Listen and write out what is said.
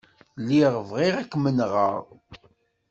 Lliɣ bɣiɣ ad kem-nɣeɣ.